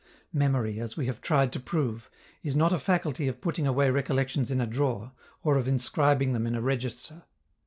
Memory, as we have tried to prove, is not a faculty of putting away recollections in a drawer, or of inscribing them in a register.